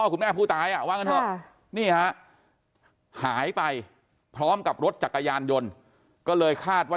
คุณแม่ผู้ตายนี่หายไปพร้อมกับรถจักรยานยนต์ก็เลยคาดว่า